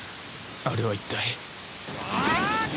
あれは一体よし！